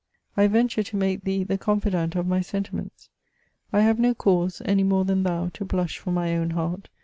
I venture to make thee the confidante of my sentiments. I have no cause, any more than thou, to blush for my own heart.